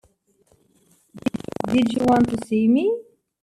Did you want to see me?